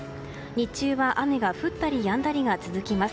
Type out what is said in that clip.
日中は雨が降ったりやんだりが続きそうです。